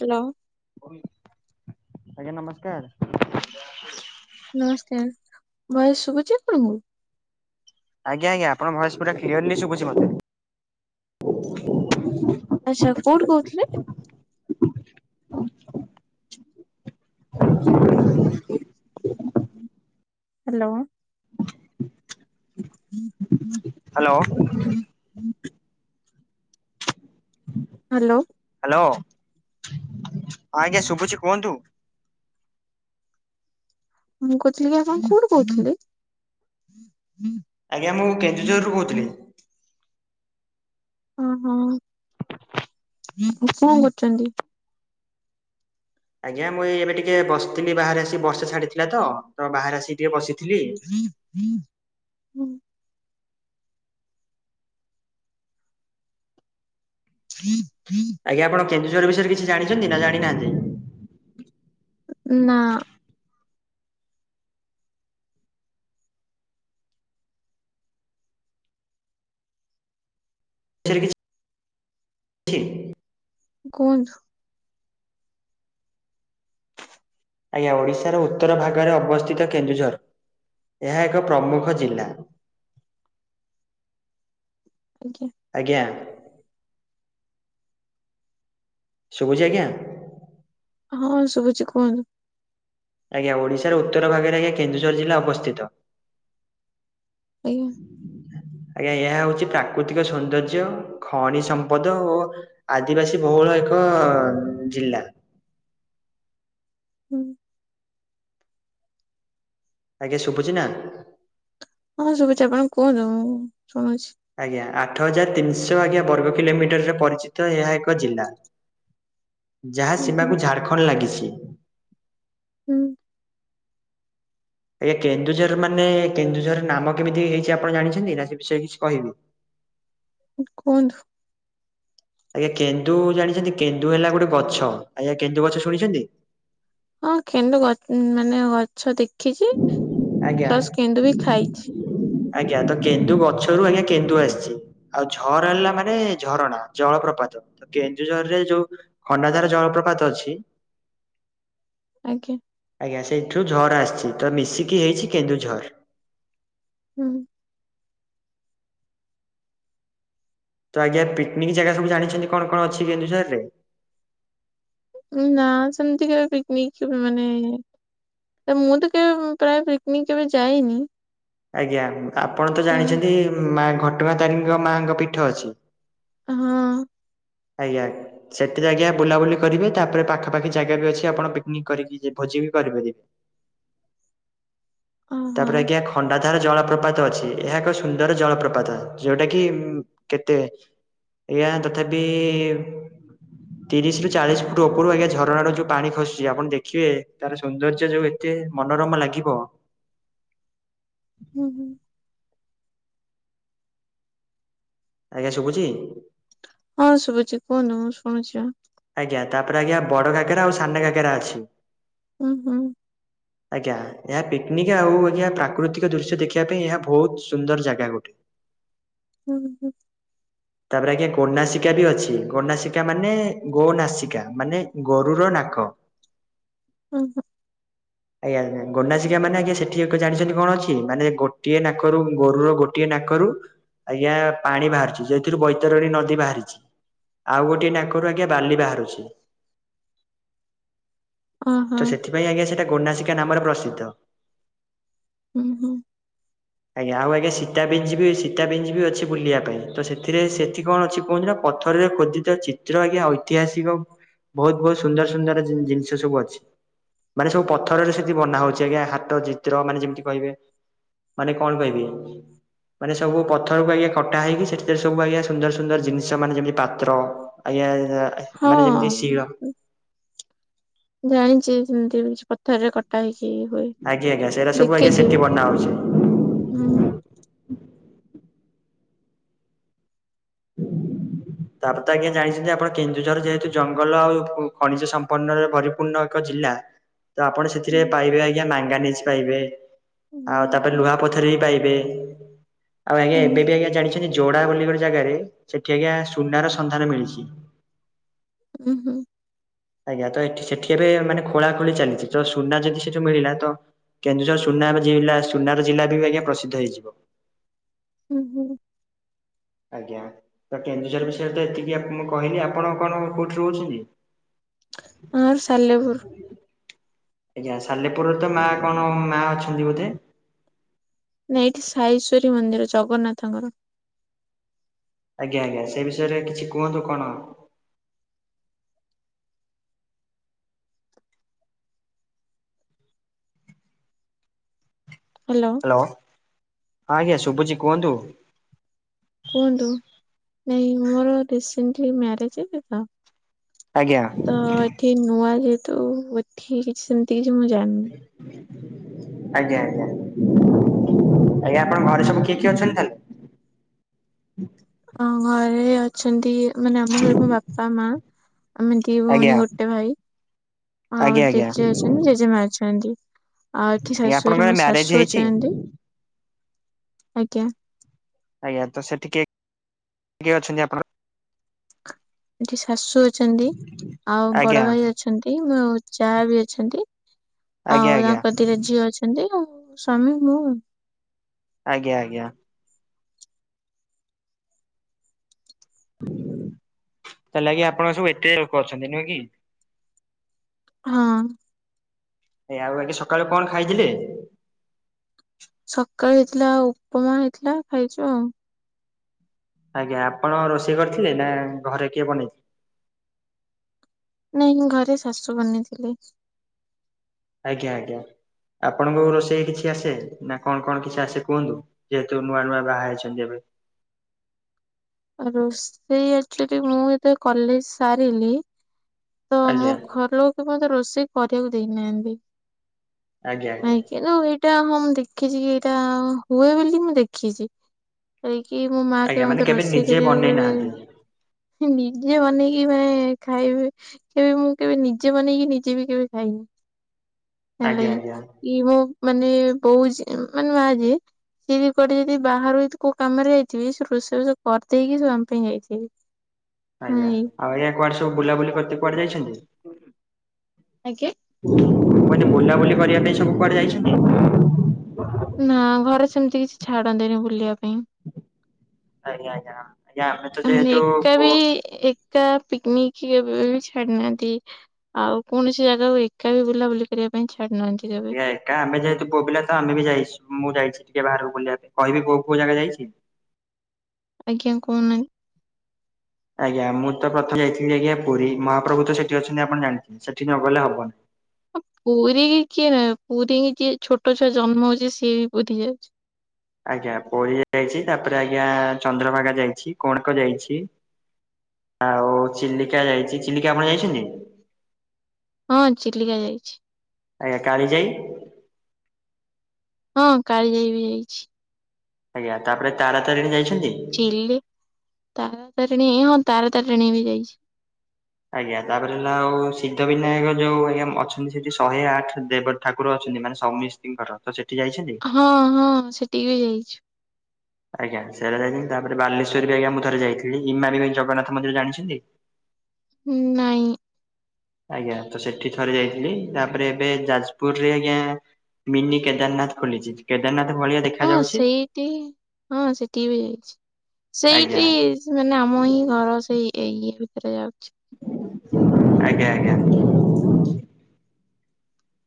Hello. ଆଜ୍ଞା ନମସ୍କାର। ନମସ୍କାର ଭଏସ ଶୁଭୁଚି ଆପଣଙ୍କୁ। ଆଜ୍ଞା ଆଜ୍ଞା ଆପଣଙ୍କ ଭଏସ ପୁରା କ୍ଲିଆର୍ଲି ସୁବୁଚି ମତେ। ଆଚ୍ଛା କୋଉଠୁ କହୁଥିଲେ? [inaudible] ହାଲୋ। ହୁଁ ହୁଁ। ହାଲୋ। [inaudible] ହାଲୋ। ହାଲୋ ହଁ ଆଜ୍ଞା ଶୁଭୁଛି କୁହନ୍ତୁ। ମୁଁ କହୁଥିଲି ଆପଣ କୋଉଠୁ କହୁଥିଲେ। ଆଜ୍ଞା ମୁଁ କେନ୍ଦୁଝରରୁ କହୁଥିଲି। ହଁ ହଁ [inaudible] କଣ କରୁଛନ୍ତି। ଆଜ୍ଞା ମୁଁ ଏଇ ଏବେ ଟିକେ ବସିଥିଲି ବାହାରେ ଆସିକି ବର୍ଷା ଛାଡିଥିଲା ତ ବାହାରେ ଆସିକି ଟିକେ ବସିଥିଲି ହଁ। [inaudible] ଆଜ୍ଞା ଆପଣ କେନ୍ଦୁଝର ବିଷୟରେ କିଛି ଜାଣିଛନ୍ତି ନା ଜାଣିନାହାନ୍ତି। ନା [unintelligible] କୁହନ୍ତୁ? ଆଜ୍ଞା ଓଡିଶାର ଉତ୍ତର ଭାଗରେ ଅବସ୍ଥିତ କେନ୍ଦୁଝର ଏହା ଏକ ପ୍ରମୁଖ ଜିଲ୍ଲା। ଆଜ୍ଞା। ଆଜ୍ଞା। ସବୁଚି ଆଜ୍ଞା। ହଁ ଶୁବୁଚି କୁହନ୍ତୁ? ଆଜ୍ଞା ଓଡିଶାର ଉତ୍ତର ଭାଗରେ ଆଜ୍ଞା କେନ୍ଦୁଝର ଜିଲ୍ଲା ଅବସ୍ଥିତ। ଆଜ୍ଞା। ଆଜ୍ଞା ଏହା ହଉଛି ପ୍ରାକୃତିକ ସୌନ୍ଦର୍ଯ୍ୟ ଖଣି ସମ୍ପଦ ଓ ଆଦିବାସୀ ବହୁଳ ଏକ ଜିଲ୍ଲା। ହୁଁ। ଆଜ୍ଞା ଶୁବୁଚି ନା। ହଁ ଶୁବୁଚି ଆପଣ କୁହନ୍ତୁ ମୁଁ ଶୁଣୁଛି। ଆଜ୍ଞା ଆଠ ହଜାର ତିନିଶହ ଆଜ୍ଞା ବର୍ଗ କିଲୋମିଟରରେ ପରିଚିତ ଏହା ଏକ ଜିଲ୍ଲା। ଯାହା ହୁଁ ହୁଁ ସିମାକୁ ଝାଡ଼ଖଣ୍ଡ ଲାଗିଛି। ହୁଁ। ଆଜ୍ଞା କେନ୍ଦୁଝର ମାନେ କେନ୍ଦୁଝର ନାମ କେମିତି ହେଇଛି ଆପଣ ଜାଣିଛନ୍ତି ନା ସେ ବିଷୟରେ କିଛି କହିବି। କୁହନ୍ତୁ? ଆଜ୍ଞା କେନ୍ଦୁ ଜାଣିଛନ୍ତି କେନ୍ଦୁ ହେଲା ଗୋଟେ ଗଛ ଆଜ୍ଞା କେନ୍ଦୁ ଗଛ ଶୁଣିଚନ୍ତି। ହଁ ଖେନ୍ଦୁ ଗ ମାନେ ଗଛ ଦେଖିଛି ଆଜ୍ଞା ପ୍ଲସ କେନ୍ଦୁ ବି ଖାଇଛି। ଆଜ୍ଞା ତ କେନ୍ଦୁ ଗଛରୁ ଆଜ୍ଞା କେନ୍ଦୁ ଆସିଚି। ଆଉ ଝର ହେଲା ମାନେ ଝରଣା ଜଳପ୍ରପାତ। ତ କେନ୍ଦୁଝରରେ ଯୋଉ ଖଣ୍ଡାଧାର ଜଳପ୍ରପାତ ଅଛି। ଆଜ୍ଞା। ଆଜ୍ଞା ସେଇଠୁ ଝର ଆସିଛି ତ ମିଶିକି ହେଇଛି କେନ୍ଦୁ ଝର। ହୁଁ। ତ ଆଜ୍ଞା ପିକନିକ ଜାଗା ସବୁ ଜାଣିଛନ୍ତି କଣ କଣ ଅଛି କେନ୍ଦୁଝର ରେ। ନା ସେମତି କେବେ ପିକନିକ କେବେ ମାନେ ତ ମୁଁ ତ କେବେ ପ୍ରାୟ ପିକନିକ କେବେ ଯାଇନି। ଆଜ୍ଞା ଆପଣ ତ ଜାଣିଛନ୍ତି ମା ଘଟଗାଁ ତାରିଣୀଙ୍କ ମାଙ୍କ ପୀଠ ଅଛି। ହଁ। ଆଜ୍ଞା। ସେତିରେ ଆଜ୍ଞା ବୁଲାବୁଲି କରିବେ ତାପରେ ପାଖାପାଖି ଜାଗା ବି ଅଛି ଆପଣ ପିକନିକ କରିକି ଭୋଜି ବି କରିପାରିବେ। ଓହୋ ତାପରେ ଆଜ୍ଞା ଖ ଖଣ୍ଡାଧାର ଜଳପ୍ରପାତ ଅଛି ଏହା ଏକ ସୁନ୍ଦର ଜଳପ୍ରପାତ ଯୋଉଟା କି ଉଁ କେତେ ଏହା ତଥାବି ତିରିଶ ରୁ ଚାଳିଶ ଫୁଟ ଉପରୁ ଆଜ୍ଞା ଝରଣା ର ଯୋଉ ପାଣି ଖସୁଚି ଆପଣ ଦେଖିବେ ତାର ସୌନ୍ଦର୍ଯ୍ୟ ଯୋଉ ତେ ମନୋରମା ଲାଗିବ। ହୁଁ ହୁଁ ଆଜ୍ଞା ଶୁବୁଚି। ହଁ ଶୁବୁଚି କୁହୁନୁ ଶୁଣୁଚି ଆ ଆଜ୍ଞା ତାପରେ ଆଜ୍ଞା ବଡ ଘାଗେରା ଆଉ ସାନା ଘାଗେରା ଅଛି। ହୁଁ ହୁଁ ଆଜ୍ଞା। ଏହା ପିକନିକ୍ ଆଉ ଆଜ୍ଞା ପ୍ରାକୃତିକ ଦୃଶ୍ୟ ଦେଖିବା ପାଇଁ ଏହା ବହୁତ ସୁନ୍ଦର ଜାଗା ଗୋଟେ। ହୁଁ ହୁଁ ତାପରେ ଆଜ୍ଞା ଗୋନାସିକା ବି ଅଛି। ଗୋନାସିକା ମାନେ ଗୋ ନାସିକା ମାନେ ଗୋରୁର ନାକ। ଉଁ ହୁଁ। ଆଜ୍ଞା। ଗୋନାସିକା ମାନେ ଆଜ୍ଞା ସେଠି ଏକ ଜାଣିଛନ୍ତି କଣ ଅଛି, ମାନେ ଗୋଟିଏ ନାକରୁ ଗୋରୁ ରୋ ଗୋ ଗୋଟିଏ ନାକରୁ ଆଜ୍ଞା ପାଣି ବାହାରୁଚି। ଯେ ଏଥିରୁ ବୈତରଣୀ ନଦୀ ବାହାରିଚି। ଆଉ ଗୋଟିଏ ନାକରୁ ଆଜ୍ଞା ବାଲି ବାହାରୁଚି। [inaudible] ଓହୋ ତ ସେଥିପାଇଁ ଆଜ୍ଞା ସେଟା ଗୋନାସିକା ନାମରେ ପ୍ରସିଦ୍ଧ। ହୁଁ ହୁଁ। ଆଜ୍ଞା ଆଉ ଆଜ୍ଞା ସୀତାବିଞ୍ଜି ବି ସୀତାବିଞ୍ଜି ବି ଅଛି ବୁଲିବା ପାଇଁ। ତ ସେ ସେଥିରେ ସେଠି କଣ ଅଛି କୁହନ୍ତ ନା ପଥରରେ ଖୋଦିତ ଚିତ୍ର ଆଜ୍ଞା ଐତିହାସିକ ବହୁତ୍ ବହୁତ୍ ସୁନ୍ଦର ସୁନ୍ଦର ଜିନ୍ ଜିନିଷ ସବୁ ଅଛି। ମାନେ ସବୁ ପଥରରେ ସେଠି ବନା ହଉଚି ଆଜ୍ଞା ହାତ ଚିତ୍ର ମାନେ ଯେମିତି କହିବେ। ମାନେ କଣ କହିବି ମାନେ ସବୁ ପଥରକୁ ଆଜ୍ଞା କଟା ହେଇକି ସେଠି ସେଥିରେ ସବୁ ଆଜ୍ଞା ସୁନ୍ଦର ସୁନ୍ଦର ଜିନିଷ ମାନେ ଯେମିତି ପାତ୍ର ଆଜ୍ଞା ହଁ। ମାନେ ଯେମିତି ଶିଳ ଜାଣିଚି ସେମିତି କିଛି ପଥରରେ କ ଟାହେଇକି ହୁଏ। ଆଜ୍ଞା ଆଜ୍ଞା ସେଇଟା ସବୁ ଆଜ୍ଞା ଦେଖିଚି ସେଠି ବି ବନା ହଉଛି। ହୁଁ। ତାପରେ ତ ଆଜ୍ଞା ଜାଣିଛନ୍ତି ଆପଣ କେନ୍ଦୁଝର ଯେହେତୁ ଜଙ୍ଗଲ ଆଉ ଖଣିଜ ସମ୍ପନ୍ନରେ ପରିପୂର୍ଣ୍ଣ ଏକ ଜିଲ୍ଲା। ତ ଆପଣ ସେଥିରେ ହୁଁ ପାଇବେ ଆଜ୍ଞା ମାଙ୍ଗାନିଜ୍ ପାଇବେ। ଆଉ ହୁଁ ତାପରେ ଲୁହା ପଥର ବି ପାଇବେ। ଆଉ ଆଜ୍ଞା ଏବେ ବି ଆଜ୍ଞା ଜାଣି ଯୋଡା ବୋଲି ଗୋଟେ ଜାଗାରେ ସେଠି ଆଜ୍ଞା ସୁନାର ସନ୍ଧାନ ମିଳିଚି। ଉଁ ହୁଁ। ଆଜ୍ଞା। ତ ଏଠି ସେଠି ରେ ଏବେ ମାନେ ଖୋଳାଖୋଳି ଚାଲିଚି ତ ସୁନା ଯଦି ସେଠୁ ମିଳିଲା ତ କେନ୍ଦୁଝର ସୁନା ଜିଲ୍ଲା ସୁନାର ଜିଲ୍ଲା ବି ଆଜ୍ଞା ପ୍ରସିଦ୍ଧ ହେଇଯିବ। ଉଁ ହୁଁ। ଆଜ୍ଞା। ତ କେନ୍ଦୁଝର ବିଷୟରେ ତ ଏତିକି ମୁଁ କହିଲି। ଆପଣ କଣ କୋଉଠି ରହୁଛନ୍ତି? ଆମର ସାଲେପୁର। ଆଜ୍ଞା। ସାଲେପୁରରେ ତ ମା କଣ ମା ଅଛନ୍ତି ବୋଧେ? ନା ଏଇଠି ସାଇଶ୍ଵରୀ ମନ୍ଦିର ଜଗନ୍ନାଥଙ୍କର। ଆଜ୍ଞା ଆଜ୍ଞା। ସେ ବିଷୟରେ କିଛି କୁହନ୍ତୁ କଣ। ହାଲୋ। ହାଲୋ। ହଁ ଆଜ୍ଞା ଶୁଭୁଚି କୁହନ୍ତୁ। କୁହନ୍ତୁ। ନାଇଁ ମୋର ରିସେଣ୍ଟଲି ମ୍ୟାରେଜ୍ ଏବେ ତ ଆଜ୍ଞା। ତ ଏଠି ନୂଆ ଯେହେତୁ, ଏଠି କିଛି ସେମିତି କିଛି ମୁଁ ଜାଣିନି। ଆଜ୍ଞା ଆଜ୍ଞା। ଆଜ୍ଞା ଆପଣ ଘରେ ସବୁ କିଏ କିଏ ଅଛନ୍ତି ତାହେଲେ? ଆମ ଘରେ ଅଛନ୍ତି ମାନେ ଆମ ଘରେ ମୋ ବାପା ମା ଆମେ ଦି ଆଜ୍ଞା ଭଉଣୀ ଗୋଟେ ଭାଇ। ଆଉ ଆଜ୍ଞା ଆଜ୍ଞା ଜେଜେ ଅଛନ୍ତି ଜେଜେମା ଅଛନ୍ତି। ଆଉ ଏଠି ଆଜ୍ଞା ଶାଶୁଘରେ ଆପଣଙ୍କର ମୋ ମ୍ୟାରେଜ ଶାଶୁ ହେଇଛି? ଅଛନ୍ତି। ଆଜ୍ଞା। ଆଜ୍ଞା। ତ ସେଠି କେ କିଏ ଅଛନ୍ତି ଆପଣ ଏଠି ଶାଶୁ ଅଛନ୍ତି ଆଉ ବଡ ଆଜ୍ଞା ଭାଇ ଆଜ୍ଞା ଅ ଅଛନ୍ତି ମୋ ଜା ବି ଅଛନ୍ତି ଆଜ୍ଞା ଆଉ ତାଙ୍କ ଦିଟା ଝିଅ ଅଛ ଏମତି ଆ ସ୍ୱାମୀ ମୁଁ ଆଉ ଆଜ୍ଞା ଆଜ୍ଞା। ତାଲେଗି ଆପଣ ସବୁ ଏତେ ଲୋକ ଅଛନ୍ତି ନୁହେଁ କି? ହଁ। ଏ ଆଉ ଆଜି ସକାଳୁ କଣ ଖାଇଥିଲେ? ସକାଳେ ହେଇଥିଲା ଉପମା ହେଇଥିଲା ଖାଇଛୁ ଆଉ। ଆଜ୍ଞା ଆପଣ ରୋଷେଇ କରିଥିଲେ ନା ଘରେ କିଏ ବନେଇ ନାଇଁ ଘରେ ଶାଶୁ ବନେଇଥିଲେ। ଆଜ୍ଞା ଆଜ୍ଞା ଆପଣଙ୍କ ରୋଷେଇ କିଛି ଆସେ ନା କଣ କଣ କିଛି ଆସେ କୁହନ୍ତୁ? ଯେହେତୁ ନୂଆ ନୂଆ ବାହା ହେଇଛନ୍ତି ଏବେ ଆ ରୋଷେଇ ଆକଚୁଆଲି ମୁଁ ଏତେ କଲେଜ ସାରିଲି ତ ମୁଁ ଆଜ୍ଞା ଘର ଲୋକ କି ମୋତେ ରୋଷେଇ କରିବାକୁ ଦେଇନାହାନ୍ତି। ଆଜ୍ଞା ଆଜ୍ଞା। ଯୋଉ ଏଇଟା ହଁ ମୁଁ ଦେଖିଛି କି ଏଇଟା ହୁଏ ବୋଲି ମୁଁ ଦେଖିଛି ହେଇକି ମୋ ମାଆ କେବେ ଆଜ୍ଞା ମାନେ ମୋତେ ରୋଷେଇ ନିଜେ କରିବାକୁ ବନେଇ କେବେ ନାହାନ୍ତି ନିଜେ ବନେଇକି [unintelligible] ଖାଇବେ କେବେ ମୁଁ କେବେ ନିଜେ ବନେଇକି ନିଜେ ବି କେବେ ଖାଇନି ହେ ଆଜ୍ଞା ନାଇ ଆଜ୍ଞା ଇ ମୋ ମାନେ ବୋଉ ମାନେ ମା ଯେ ଯିଦି କୁଆଟେ ଯଦି ବାହାରୁ ଯଦି କୋଉ କାମରେ ଯାଇଥିବି ସେ ରୋଷେଇ ରୋଷ କରିଦେଇକି ସେ ଆମ ପାଇଁ ଯାଇଥିବି। [inaudible] ଆଜ୍ଞା। ଆଉ ଆଜ୍ଞା କୁଆଡେ ସବୁ ବୁଲାବୁଲି କରତେ କୁଆଡେ ଯାଇଛନ୍ତି। ଆଜ୍ଞା। ମୁଁ କହିଲି ବୁଲାବୁଲି କରିବା ପାଇଁ ସବୁ କୁଆଡେ ଯାଇଛନ୍ତି? ନା ଘରେ ସେମିତି କିଛି ଛାଡନ୍ତିନି ବୁଲିବା ପାଇଁ। ଆଜ୍ଞା ଆଜ୍ଞା ହଁ। ମାନେ ଏକା ବି ଏକା ପିକନିକ କେବେ ବି ଛାଡ଼ି ନାହାନ୍ତି। ଆଉ କୌଣସି ଜାଗାକୁ ଏକା ବି ବୁଲାବୁଲି କରିବା ପାଇଁ ଛାଡିନାହାନ୍ତି କେବେ। ଆ ଏକା ଆମେ ଯେହେତୁ ପୁ୍ଅପିଲା ଆମେ ବି ଯଛୁଁ ଯଛି ଟିକେ ବାହାରକୁ ବୁଲିବା ପାଇଁ କହିବି କୋଉ କୋଉ ଜାଗା ଯାଇଛି। ଆଜ୍ଞା କହୁନାହାନ୍ତି। ଆଜ୍ଞା ମୁଁ ତ ପ୍ରଥମେ ଯାଇଥିଲି ଆଜ୍ଞା ପୁରୀ ମହାପ୍ରଭୁ ତ ସେଠି ଅଛନ୍ତି ଆପଣ ଜାଣିଥିଲେ ସେଠି ନଗଲେ ହବନି। ପୁରୀ କି କିଏ ନା ପୁରୀ କି ଯିଏ ଛୋଟ ଛୁଆ ଜନ୍ମ ହଉଛି ସିଏ ବି ପୂରି ଯାଉଛି। ଆଜ୍ଞା ପୂରୀ ଯାଇଛି। ତାପରେ ଆଜ୍ଞା ଚନ୍ଦ୍ରଭାଗା ଯାଇଛି। କୋଣାର୍କ ଯାଇଛି। ଆଉ ଚିଲିକା ଯାଇଛି। ଚିଲିକା ଆପଣ ଯାଇଛନ୍ତି? ହଁ ଚିଲିକା ଯାଇଛି। ଆଜ୍ଞା କାଳିଯାଇ। ହଁ କାଳି ଯାଇ ବି ଯାଇଛି। ଆଜ୍ଞା ତାପରେ ତାରାତାରିଣୀ ଯାଇଛନ୍ତି? [unintelligible] ତାର ତାରିଣୀ ହଁ ତାରା ତାରିଣୀ ବି ଯାଇଛି। ଆଜ୍ଞା ତାପରେ ହେଲା ଆଉ ସିଦ୍ଧ ବିନାୟକ। ଯୋଉ ଆଜ୍ଞା ଅଛନ୍ତି ସେଠି ଶହେ ଆଠ ଦେବ ଠାକୁର ଅଛନ୍ତି ମାନେ ସମିସ୍ତଙ୍କର ତ ସେଠି ଯାଇଛନ୍ତି। ହଁ ହଁ ସେଠିକି ବି ଯାଇଛି। ଆଜ୍ଞା ସେଟା ଯାଇଛନ୍ତି ତାପରେ ବାଲେସ୍ୱର ବି ଆଜ୍ଞା ମୁଁ ଥରେ ଯାଇଥିଲି। ଇମା ବି ଜଗନ୍ନାଥ ମନ୍ଦିର ଜାଣିଛନ୍ତି। ଉଁ ନାଇଁ। ଆଜ୍ଞା ତ ସେଠି ଥରେ ଯାଇଥିଲି। ତାପରେ ଏବେ ଯାଜପୁର ରେ ଆଜ୍ଞା ମିନି କେଦାରନାଥ ଖୋଲିଛି। କେଦାରନାଥ ଭଳିଆ ଦେଖା ହଁ ଯାଉଛି ସେଇଠି ହଁ ସେଠିକି ବି ଯାଇଛି। ଆଜ୍ଞା ସେଇଠି ମାନେ ଆମ ହିଁ ଘର ସେଇ ଏଇ ଇଏ ଭିତରେ ଯାଉଛି। ଆଜ୍ଞା ଆଜ୍ଞା।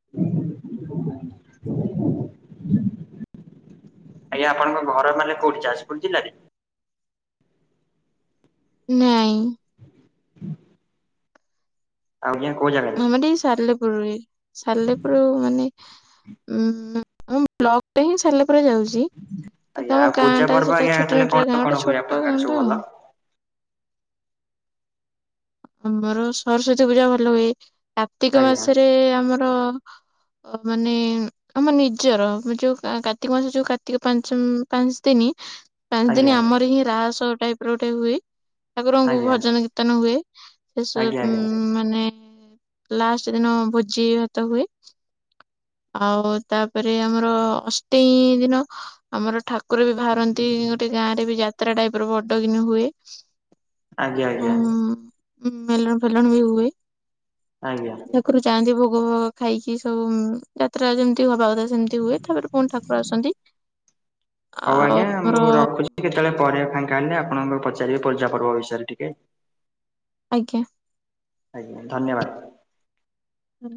[inaudible] ଆଜ୍ଞା ଆପଣଙ୍କ ଘର ମାନେ କୋଉଠି ଯାଜପୁର ଜିଲ୍ଲାରେ? ନାଇଁ। ଆଜ୍ଞା କୋଉ ଜାଗା? ଆମର ଏଇ ସାଲେପୁୁରରେ ପଡ ଏ ସାଲେପୁର ମାନେ ଉ ବ୍ଲକ ଟା ହିଁ ସାଲେପୁରରେ ଯାଉଛି। କିନ୍ତୁ ଆଜ୍ଞା ଆମ ଆଉ ଗାଁ ପୂଜା ଟା ପର୍ବ ସେଇଟା ଆଜ୍ଞା ଛୋଟିଆ ତାହେଲେ କଣ ଟା ଗାଁ କଣ ଟା ହୁଏ ଛୋଟ ଆପଣଙ୍କ ଆଡେ ଗାଁ ସବୁ ଟା ଭଲ? ଆଉ। ଆମର ସରସ୍ଵତୀ ପୂଜା ଭଲ ହୁଏ। କାର୍ତ୍ତିକ ଆଜ୍ଞା ମାସରେ ଆମର ଅ ମାନେ ଆମ ନିଜର। ଯୋଉ କା କାର୍ତ୍ତିକ ମାସ ଯୋଉ କାର୍ତ୍ତିକ ପାଞ୍ଚ ପାଞ୍ଚ ଦିନି ପାଞ୍ଚ ଦିନ ଆଜ୍ଞା ଆମର ହିଁ ରାସ ଟାଇପ ର ଗୋଟେ ହୁଏ। ଠାକୁରଙ୍କୁ ଆଜ୍ଞା ଭଜନ କୀର୍ତ୍ତନ ହୁଏ। ସେ ଆଜ୍ଞା ସବୁ ଆଜ୍ଞା। ମାନେ ଲାଷ୍ଟ ଦିନ ଭୋଜି ଭାତ ହୁଏ। ଆଉ ତାପରେ ଆମର ଅଷ୍ଟମି ଦିନ ଆମର ଠାକୁ ଠାକୁର ବି ବାହାରନ୍ତି ଗୋଟେ ଗାଁ ରେ ବି ଯାତ୍ରା ଟାଇପର ବଡକିିନି ହୁଏ। ଆଜ୍ଞା ଆଜ୍ଞା। ହଁ ମେଲଣ ଫେଲଣ ବି ହୁଏ। ଆଜ୍ଞା। ଆ କର ଯାଆନ୍ତି ଭୋଗ ଫୋଗ ଖାଇକି ସବୁ। ଯାତ୍ରା ଯେମିତି ହବା କଥା ସେମିତି ହୁଏ। ତାପରେ ପୁଣି ଠାକୁର ଆସନ୍ତି। ହଉ ଆଉ ଆଜ୍ଞା ଆମର ମୁଁ ରଖୁଛି କେତେବେଳେ ପରେ ଫାଙ୍କା ହେଲେ ଆପଣଙ୍କୁ ପଚାରିବି ପୂଜା ପର୍ବ ବିଷୟରେ ଟିକେ। ଆଜ୍ଞା। ଆଜ୍ଞା ଧନ୍ୟବାଦ। ହୁଁ।